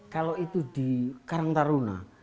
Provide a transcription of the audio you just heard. kalau itu di karangtaruna